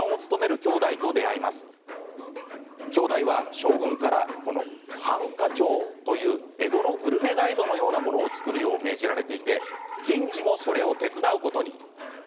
きょうだいは将軍からこの飯科帳という、江戸のグルメガイドのようなものを作るよう命じられていて銀次も、それを手伝うことに。